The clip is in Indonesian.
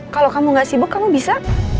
kalau kamu gak sibuk kamu bisa